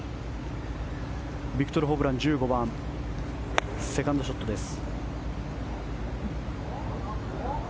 ビクトル・ホブラン１５番、セカンドショットです。